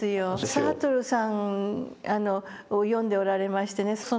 サルトルさんを読んでおられましてね。